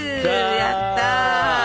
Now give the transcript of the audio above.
やったー。